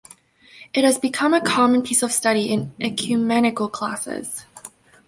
It has become a common piece of study in ecumenical classes.